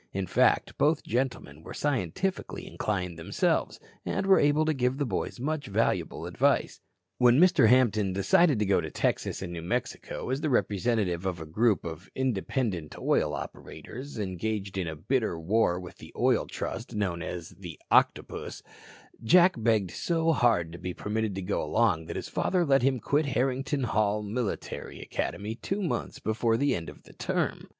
In fact, both gentlemen were scientifically inclined themselves, and were able to give the boys much valuable advice. When Mr. Hampton decided to go to Texas and New Mexico as the representative of a group of "independent" oil operators engaged in a bitter war with the Oil Trust known as the "Octopus," Jack begged so hard to be permitted to go along that his father let him quit Harrington Hall Military Academy two months before the end of the term.